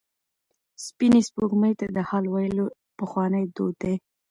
سپینې سپوږمۍ ته د حال ویل پخوانی دود دی.